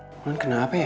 mungkin kenapa ya